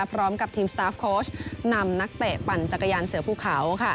พร้อมกับทีมสตาฟโค้ชนำนักเตะปั่นจักรยานเสือภูเขา